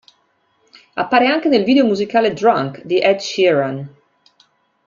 Appare anche nel video musicale "Drunk" di Ed Sheeran.